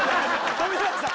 富永さん